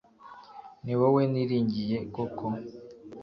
ni wowe niringiye (koko)